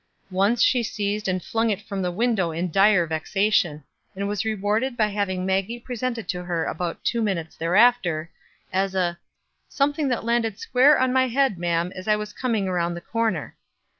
Once she seized and flung it from the window in dire vexation, and was rewarded by having Maggie present it to her about two minutes thereafter, as a "something that landed square on my head, ma'am, as I was coming around the corner."